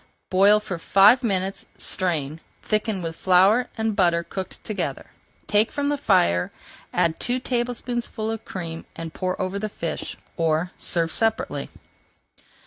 Boil for five minutes, strain, thicken with flour and butter cooked together, take from the fire, add two tablespoonfuls of cream, and pour over the fish, or serve separately.